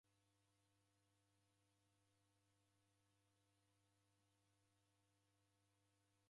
Ugho mradi ghwamangilwa ni bengi ya w'urumwengu.